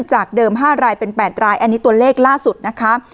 จากเดิม๕รายเป็น๘รายอันนี้ตัวเลขล่าสุดนะคะ